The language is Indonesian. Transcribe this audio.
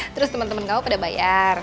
terus temen temen kamu pada bayar